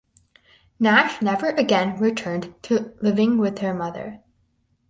Nash never again returned to living with her mother.